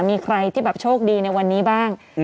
มีใครที่แบบโชคดีในวันนี้บ้าง